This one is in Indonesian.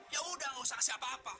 ya udah gak usah kasih apa apa